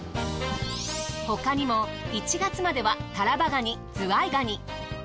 他にも１月まではタラバガニ・ズワイガニ。